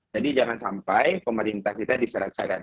jadi jangan sampai pemerintah kita diseret seret